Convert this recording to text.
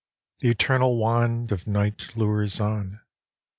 The eternal wand Of night lures on.